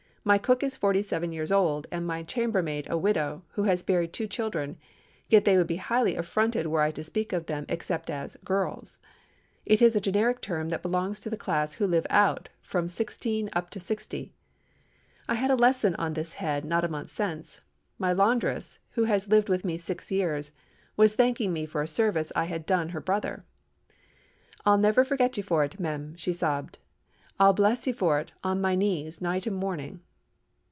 My cook is forty seven years old, and my chambermaid a widow, who has buried two children; yet they would be highly affronted were I to speak of them except as 'girls.' It is a generic term that belongs to the class 'who live out,' from sixteen up to sixty. I had a lesson on this head not a month since. My laundress, who has lived with me six years, was thanking me for a service I had done her brother. "'I'll never forget you for it, mem,' she sobbed. 'I'll bless you for it, on me knees, night and morning.